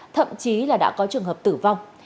thậm chí là đã có trường hợp tử vong